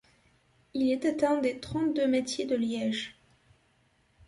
Il était un des trente-deux métiers de Liège.